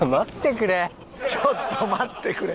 ちょっと待ってくれ。